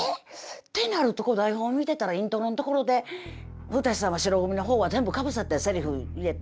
ってなるとこの台本見てたらイントロのところで古さんは白組の方は全部かぶせてセリフ入れて。